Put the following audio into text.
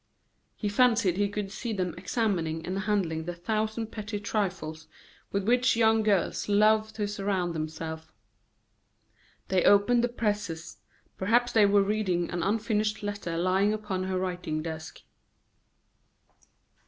He fancied he could see them examining and handling the thousand petty trifles with which young girls love to surround themselves; they opened the presses, perhaps they were reading an unfinished letter lying upon her writing desk.